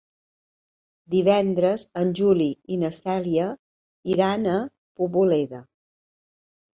Divendres en Juli i na Cèlia iran a Poboleda.